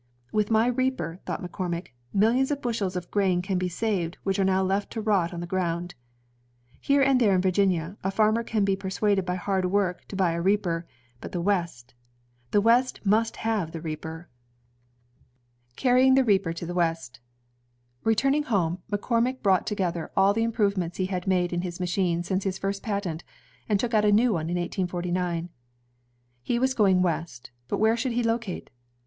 '^With my reaper," thought McCormick, "millions of bushels of grain can be saved, which are now left to rot on the ground. Here and there in Virginia, a farmer can be persuaded by hard work to buy a reaper, but the West, — the West must have the reaper." CYRUS H. Mccormick 153 Carrying the Reaper to the West Returning home, McCormick brought together all the improvements he had made in his machine since his first patent, and took out a new one in 1845. He was going West, but where should he locate?